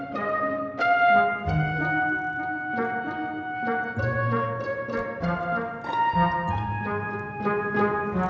kenapa mas pur